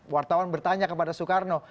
wartawan bertanya kepada soekarno